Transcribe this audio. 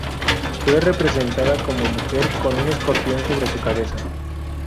Fue representada como mujer con un escorpión sobre su cabeza.